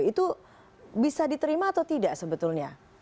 itu bisa diterima atau tidak sebetulnya